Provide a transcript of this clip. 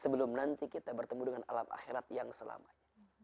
sebelum nanti kita bertemu dengan alam akhirat yang selamanya